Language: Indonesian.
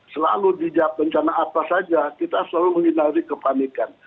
selalu di jabat bencana atas saja kita selalu menghindari kepanikan